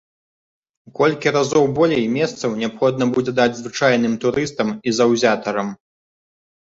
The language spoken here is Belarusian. У колькі разоў болей месцаў неабходна будзе даць звычайным турыстам і заўзятарам.